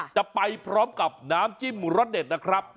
จะไปพร้อมกับน้ำจิ้มรสเด็ดนะครับ